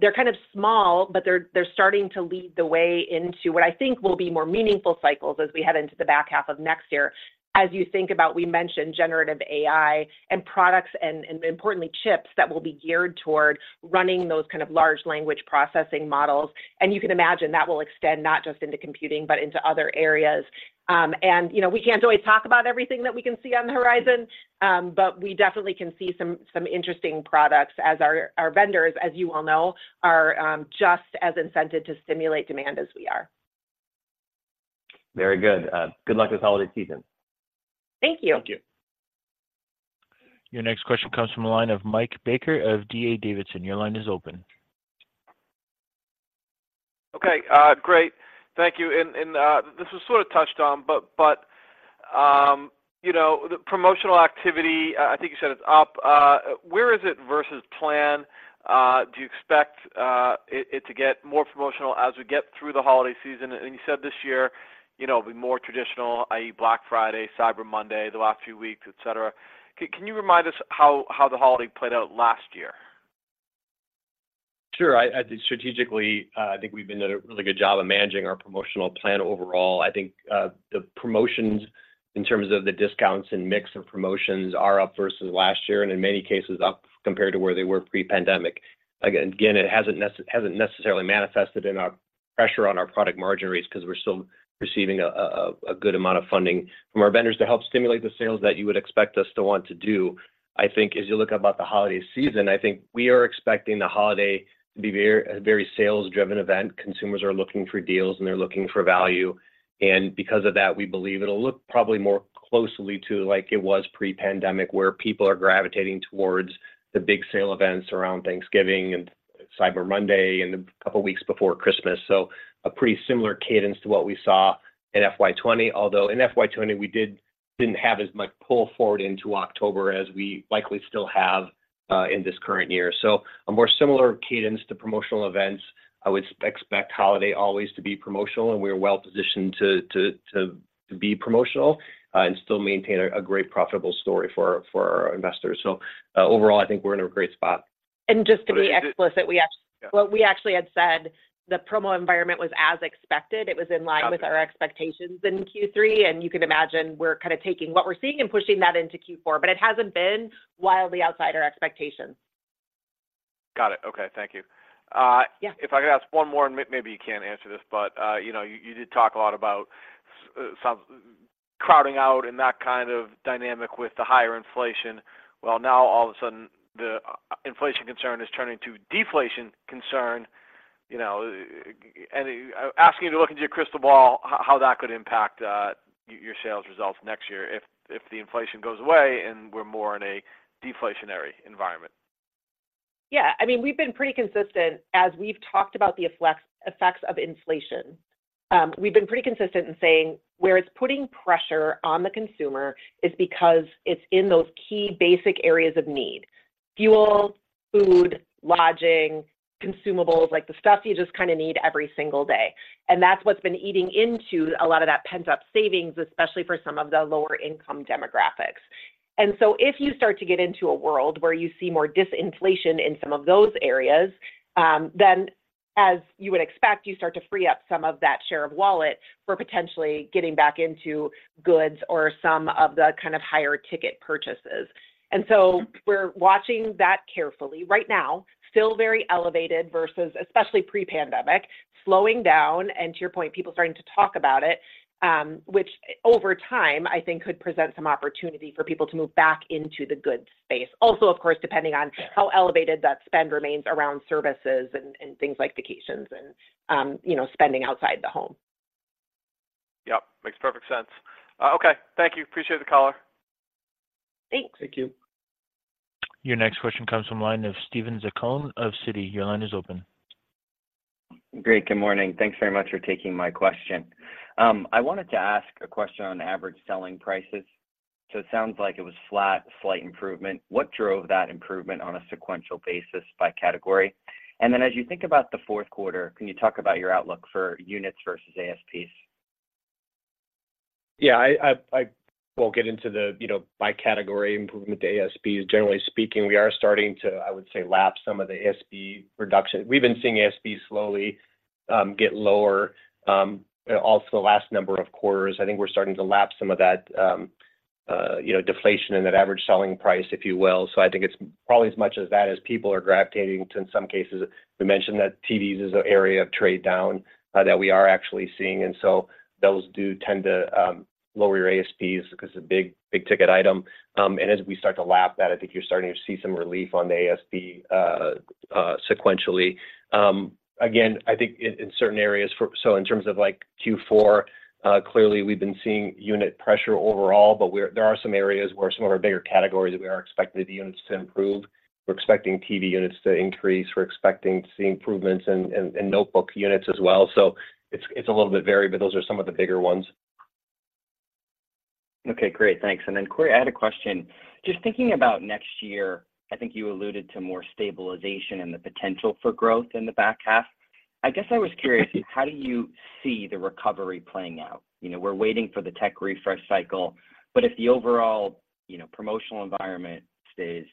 they're kind of small, but they're starting to lead the way into what I think will be more meaningful cycles as we head into the back half of next year. As you think about, we mentioned generative AI and products, and importantly, chips that will be geared toward running those kind of large language processing models. And you can imagine that will extend not just into computing, but into other areas. You know, we can't always talk about everything that we can see on the horizon, but we definitely can see some interesting products as our vendors, as you all know, are just as incented to stimulate demand as we are. Very good. Good luck this holiday season. Thank you. Thank you. Your next question comes from the line of Mike Baker of D.A. Davidson. Your line is open. Okay, great. Thank you. This was sort of touched on, but you know, the promotional activity, I think you said it's up, where is it versus plan? Do you expect it to get more promotional as we get through the holiday season? And you said this year, you know, will be more traditional, i.e., Black Friday, Cyber Monday, the last few weeks, et cetera. Can you remind us how the holiday played out last year? Sure. I think strategically, I think we've done a really good job of managing our promotional plan overall. I think the promotions, in terms of the discounts and mix of promotions, are up versus last year, and in many cases, up compared to where they were pre-pandemic. Again, it hasn't necessarily manifested in our pressure on our product margin rates because we're still receiving a good amount of funding from our vendors to help stimulate the sales that you would expect us to want to do. I think as you look about the holiday season, I think we are expecting the holiday to be very, a very sales-driven event. Consumers are looking for deals, and they're looking for value. Because of that, we believe it'll look probably more closely to like it was pre-pandemic, where people are gravitating towards the big sale events around Thanksgiving and Cyber Monday and a couple of weeks before Christmas. So a pretty similar cadence to what we saw in FY 2020, although in FY 2020, we didn't have as much pull forward into October as we likely still have in this current year. So a more similar cadence to promotional events. I would expect holiday always to be promotional, and we are well positioned to be promotional and still maintain a great profitable story for our investors. So overall, I think we're in a great spot. Just to be explicit, we actually- Yeah. What we actually had said, the promo environment was as expected. Got it. It was in line with our expectations in Q3, and you can imagine we're kind of taking what we're seeing and pushing that into Q4, but it hasn't been wildly outside our expectations. Got it. Okay, thank you. Yeah. If I could ask one more, and maybe you can't answer this, but, you know, you did talk a lot about some crowding out and that kind of dynamic with the higher inflation. Well, now all of a sudden, the inflation concern is turning to deflation concern, you know, asking you to look into your crystal ball, how that could impact, your sales results next year if the inflation goes away and we're more in a deflationary environment. Yeah. I mean, we've been pretty consistent as we've talked about the effects of inflation. We've been pretty consistent in saying, where it's putting pressure on the consumer is because it's in those key basic areas of need: fuel, food, lodging, consumables, like the stuff you just kind of need every single day. And that's what's been eating into a lot of that pent-up savings, especially for some of the lower income demographics. And so if you start to get into a world where you see more disinflation in some of those areas, then as you would expect, you start to free up some of that share of wallet for potentially getting back into goods or some of the kind of higher ticket purchases. And so we're watching that carefully. Right now, still very elevated versus, especially pre-pandemic, slowing down, and to your point, people starting to talk about it, which over time, I think could present some opportunity for people to move back into the goods space. Also, of course, depending on- Sure. -how elevated that spend remains around services and things like vacations and, you know, spending outside the home. Yep. Makes perfect sense. Okay. Thank you. Appreciate the call here. Thanks. Thank you. Your next question comes from line of Steven Zaccone of Citi. Your line is open. Great, good morning. Thanks very much for taking my question. I wanted to ask a question on average selling prices. So it sounds like it was flat, slight improvement. What drove that improvement on a sequential basis by category? And then as you think about the fourth quarter, can you talk about your outlook for units versus ASPs? Yeah, I won't get into the, you know, by category improvement to ASPs. Generally speaking, we are starting to, I would say, lap some of the ASP reduction. We've been seeing ASP slowly get lower also the last number of quarters. I think we're starting to lap some of that, you know, deflation in that average selling price, if you will. So I think it's probably as much as that as people are gravitating to, in some cases, we mentioned that TVs is an area of trade-down that we are actually seeing, and so those do tend to lower your ASPs because the big, big ticket item. And as we start to lap that, I think you're starting to see some relief on the ASP sequentially. Again, I think in certain areas, so in terms of, like, Q4, clearly, we've been seeing unit pressure overall, but there are some areas where some of our bigger categories, we are expecting the units to improve. We're expecting TV units to increase. We're expecting to see improvements in notebook units as well. So it's a little bit varied, but those are some of the bigger ones. Okay, great. Thanks. And then Corie, I had a question. Just thinking about next year, I think you alluded to more stabilization and the potential for growth in the back half. I guess I was curious, how do you see the recovery playing out? You know, we're waiting for the tech refresh cycle, but if the overall, you know, promotional environment stays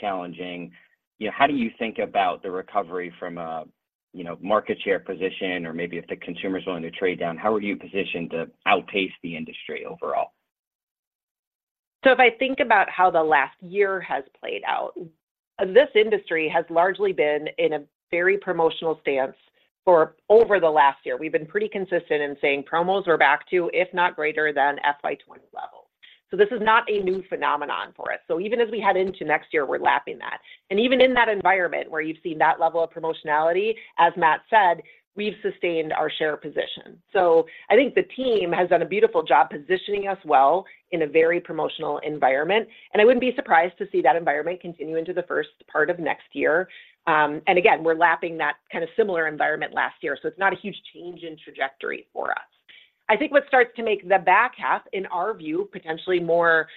challenging, you know, how do you think about the recovery from a, you know, market share position, or maybe if the consumer is willing to trade down, how are you positioned to outpace the industry overall? So if I think about how the last year has played out, this industry has largely been in a very promotional stance for over the last year. We've been pretty consistent in saying promos are back to, if not greater than, FY 2020 levels. So this is not a new phenomenon for us. So even as we head into next year, we're lapping that. And even in that environment where you've seen that level of promotionality, as Matt said, we've sustained our share position. So I think the team has done a beautiful job positioning us well in a very promotional environment, and I wouldn't be surprised to see that environment continue into the first part of next year. And again, we're lapping that kind of similar environment last year, so it's not a huge change in trajectory for us. I think what starts to make the back half, in our view, potentially more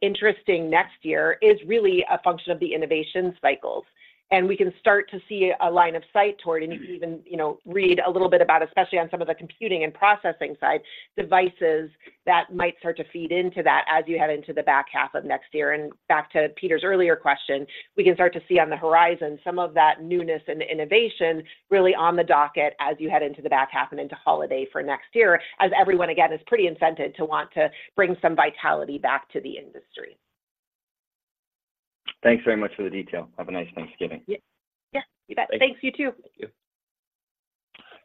interesting next year is really a function of the innovation cycles. And we can start to see a line of sight toward, and you can even, you know, read a little bit about, especially on some of the computing and processing side, devices that might start to feed into that as you head into the back half of next year. And back to Peter's earlier question, we can start to see on the horizon some of that newness and innovation really on the docket as you head into the back half and into holiday for next year, as everyone, again, is pretty incented to want to bring some vitality back to the industry. Thanks very much for the detail. Have a nice Thanksgiving. Yeah. Yeah, you bet. Thank you. Thanks, you too. Thank you.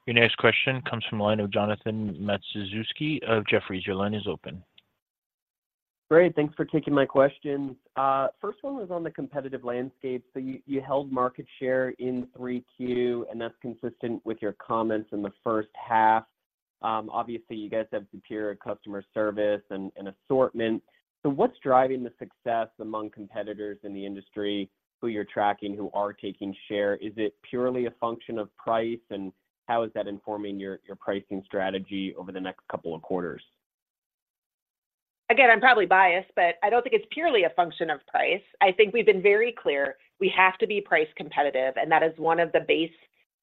Your next question comes from the line of Jonathan Matuszewski of Jefferies. Your line is open. Great, thanks for taking my questions. First one was on the competitive landscape. So you, you held market share in 3Q, and that's consistent with your comments in the first half. Obviously, you guys have superior customer service and, and assortment. So what's driving the success among competitors in the industry, who you're tracking, who are taking share? Is it purely a function of price, and how is that informing your, your pricing strategy over the next couple of quarters? Again, I'm probably biased, but I don't think it's purely a function of price. I think we've been very clear, we have to be price competitive, and that is one of the base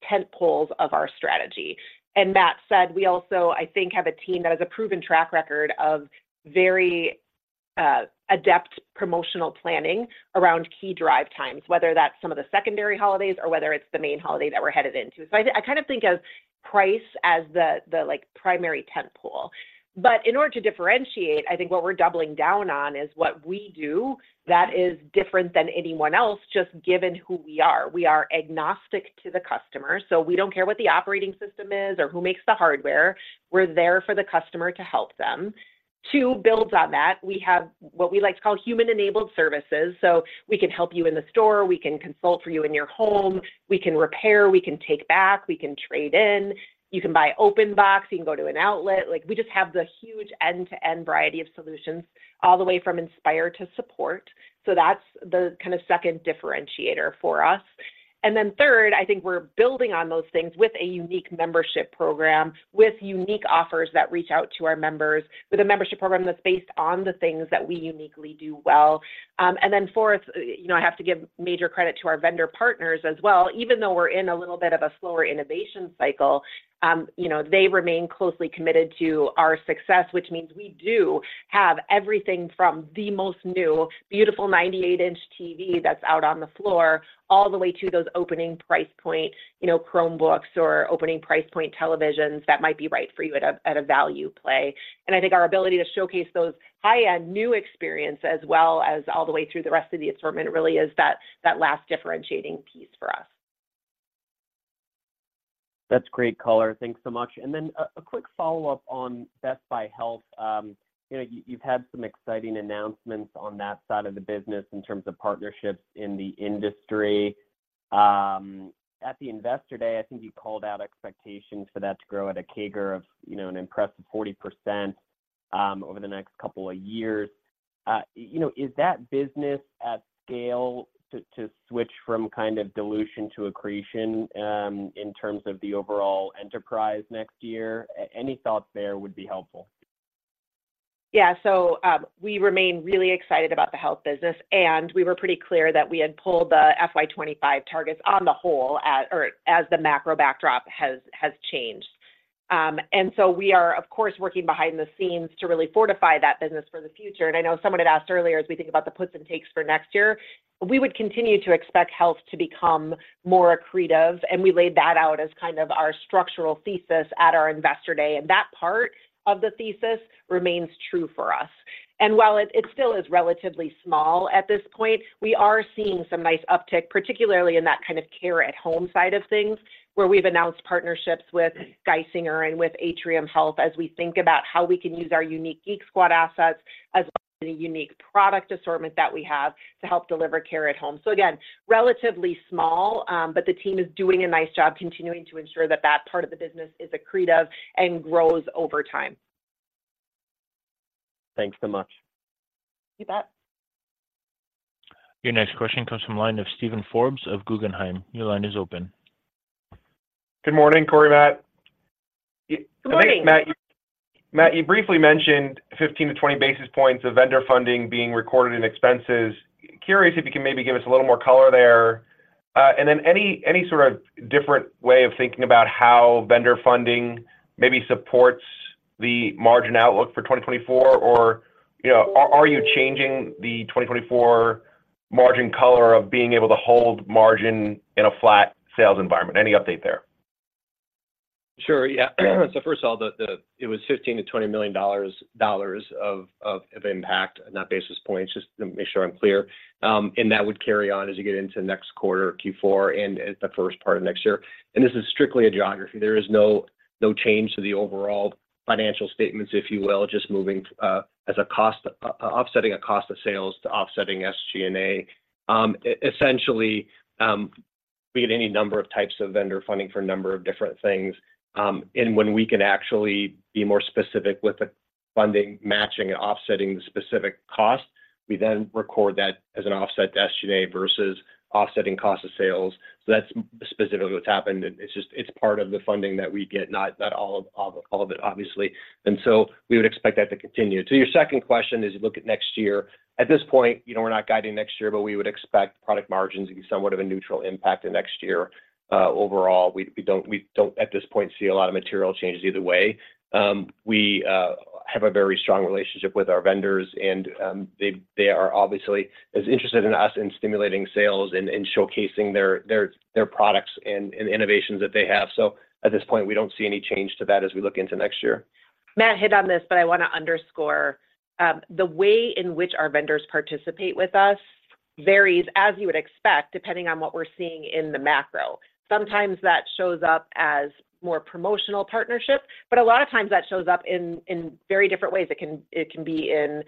tent poles of our strategy. And Matt said, we also, I think, have a team that has a proven track record of very adept promotional planning around key drive times, whether that's some of the secondary holidays or whether it's the main holiday that we're headed into. So I kind of think of price as the like primary tent pole. But in order to differentiate, I think what we're doubling down on is what we do that is different than anyone else, just given who we are. We are agnostic to the customer, so we don't care what the operating system is or who makes the hardware. We're there for the customer to help them. Two, builds on that, we have what we like to call human-enabled services, so we can help you in the store, we can consult for you in your home, we can repair, we can take back, we can trade in, you can buy open box, you can go to an outlet. Like, we just have the huge end-to-end variety of solutions all the way from inspire to support. So that's the second differentiator for us. And then third, I think we're building on those things with a unique membership program, with unique offers that reach out to our members, with a membership program that's based on the things that we uniquely do well. And then fourth, you know, I have to give major credit to our vendor partners as well. Even though we're in a little bit of a slower innovation cycle, you know, they remain closely committed to our success, which means we do have everything from the most new, beautiful 98-inch TV that's out on the floor, all the way to those opening price point, you know, Chromebooks or opening price point televisions that might be right for you at a value play. And I think our ability to showcase those high-end new experience as well as all the way through the rest of the assortment really is that last differentiating piece for us. That's great color. Thanks so much. And then a quick follow-up on Best Buy Health. You know, you've had some exciting announcements on that side of the business in terms of partnerships in the industry. At the Investor Day, I think you called out expectations for that to grow at a CAGR of an impressive 40%, over the next couple of years. You know, is that business at scale to switch from kind of dilution to accretion, in terms of the overall enterprise next year? Any thoughts there would be helpful. Yeah. So, we remain really excited about the health business, and we were pretty clear that we had pulled the FY 2025 targets on the whole at or as the macro backdrop has changed. And so we are, of course, working behind the scenes to really fortify that business for the future. And I know someone had asked earlier, as we think about the puts and takes for next year, we would continue to expect health to become more accretive, and we laid that out as kind of our structural thesis at our Investor Day, and that part of the thesis remains true for us. And while it still is relatively small at this point, we are seeing some nice uptick, particularly in that kind of care at home side of things, where we've announced partnerships with Geisinger and with Atrium Health, as we think about how we can use our unique Geek Squad assets as a unique product assortment that we have to help deliver care at home. So again, relatively small, but the team is doing a nice job continuing to ensure that that part of the business is accretive and grows over time. Thanks so much. You bet. Your next question comes from line of Steven Forbes of Guggenheim. Your line is open. Good morning, Corie, Matt. Good morning. I think, Matt, you briefly mentioned 15-20 basis points of vendor funding being recorded in expenses. Curious if you can maybe give us a little more color there, and then any sort of different way of thinking about how vendor funding maybe supports the margin outlook for 2024, or, you know, are you changing the 2024 margin color of being able to hold margin in a flat sales environment? Any update there? Sure, yeah. So first of all, it was $15 million-$20 million of impact, not basis points, just to make sure I'm clear. And that would carry on as you get into next quarter, Q4, and the first part of next year. And this is strictly a geography. There is no change to the overall financial statements, if you will, just moving as a cost, offsetting a cost of sales to offsetting SG&A. Essentially, we get any number of types of vendor funding for a number of different things, and when we can actually be more specific with the funding, matching and offsetting the specific cost, we then record that as an offset to SG&A versus offsetting cost of sales. So that's specifically what's happened, and it's just, it's part of the funding that we get, not all of it, obviously. And so we would expect that to continue. To your second question, as you look at next year, at this point, you know, we're not guiding next year, but we would expect product margins to be somewhat of a neutral impact in next year. Overall, we don't, at this point, see a lot of material changes either way. We have a very strong relationship with our vendors, and they are obviously as interested as us in stimulating sales and showcasing their products and innovations that they have. So at this point, we don't see any change to that as we look into next year. Matt hit on this, but I want to underscore the way in which our vendors participate with us varies, as you would expect, depending on what we're seeing in the macro. Sometimes that shows up as more promotional partnerships, but a lot of times that shows up in very different ways. It can be in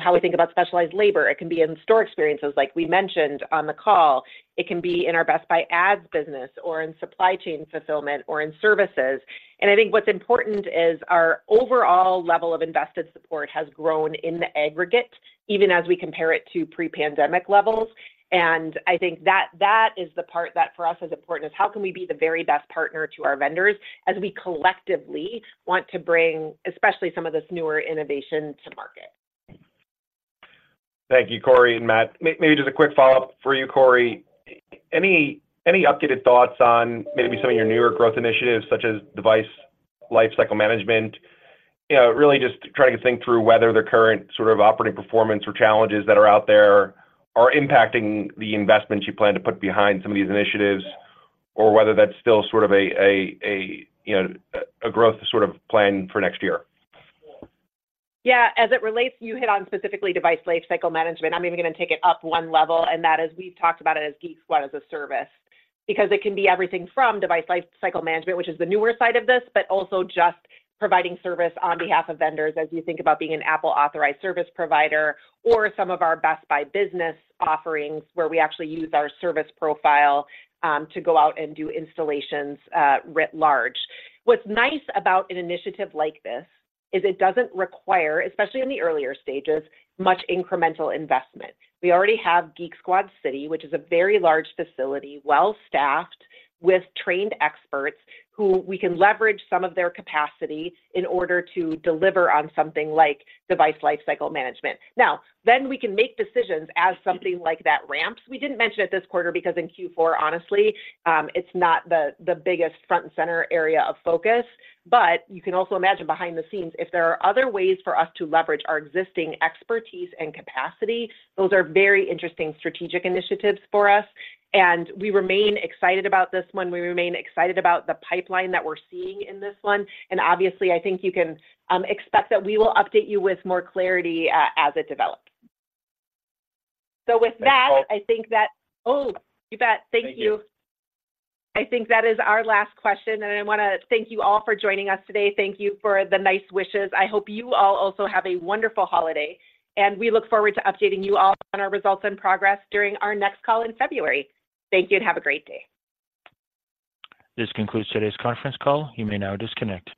how we think about specialized labor. It can be in store experiences, like we mentioned on the call. It can be in our Best Buy Ads business or in supply chain fulfillment or in services. And I think what's important is our overall level of invested support has grown in the aggregate, even as we compare it to pre-pandemic levels. I think that that is the part that for us is important, is how can we be the very best partner to our vendors as we collectively want to bring, especially some of this newer innovation to market? Thank you, Corie and Matt. Maybe just a quick follow-up for you, Corie. Any updated thoughts on maybe some of your newer growth initiatives, such as device lifecycle management? You know, really just trying to think through whether the current sort of operating performance or challenges that are out there are impacting the investments you plan to put behind some of these initiatives, or whether that's still sort of a, you know, a growth sort of plan for next year. Yeah, as it relates, you hit on specifically device lifecycle management. I'm even going to take it up one level, and that is, we've talked about it as Geek Squad as a service, because it can be everything from device lifecycle management, which is the newer side of this, but also just providing service on behalf of vendors as you think about being an Apple-authorized service provider or some of our Best Buy Business offerings, where we actually use our service profile, to go out and do installations, writ large. What's nice about an initiative like this is it doesn't require, especially in the earlier stages, much incremental investment. We already have Geek Squad City, which is a very large facility, well-staffed with trained experts, who we can leverage some of their capacity in order to deliver on something like device lifecycle management. Now, then we can make decisions as something like that ramps. We didn't mention it this quarter because in Q4, honestly, it's not the biggest front and center area of focus. But you can also imagine behind the scenes, if there are other ways for us to leverage our existing expertise and capacity, those are very interesting strategic initiatives for us, and we remain excited about this one. We remain excited about the pipeline that we're seeing in this one, and obviously, I think you can expect that we will update you with more clarity as it develops. So with that- Thank you. I think that, Oh, you bet. Thank you. Thank you. I think that is our last question, and I want to thank you all for joining us today. Thank you for the nice wishes. I hope you all also have a wonderful holiday, and we look forward to updating you all on our results and progress during our next call in February. Thank you, and have a great day. This concludes today's conference call. You may now disconnect.